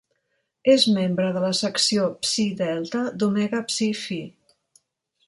És membre de la secció Psi Delta d'Omega Psi Phi.